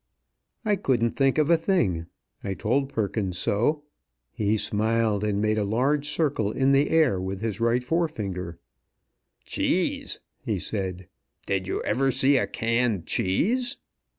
I couldn't think of a thing. I told Perkins so. He smiled and made a large circle in the air with his right forefinger. "Cheese!" he said. "Did you ever see a canned cheese?"